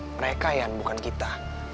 mereka nyan bukan kita